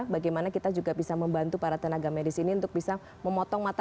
bagaimana kita juga bisa membantu para tenaga medis ini untuk bisa memotong mata